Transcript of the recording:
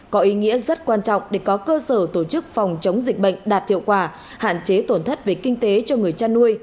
có ý nghĩa rất quan trọng để có cơ sở tổ chức phòng chống dịch bệnh đạt hiệu quả hạn chế tổn thất về kinh tế cho người chăn nuôi